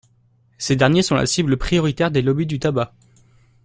Ces derniers sont la cible prioritaire des lobbies du tabac.